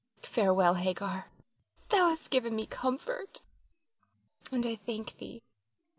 Farewell, Hagar, thou hast given me comfort and I thank thee.